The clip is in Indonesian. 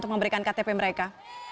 memberikan ktp mereka